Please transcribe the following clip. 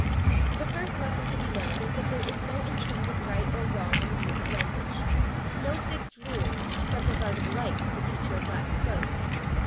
The first lesson to be learned is that there is no intrinsic right or wrong in the use of language, no fixed rules such as are the delight of the teacher of Latin prose.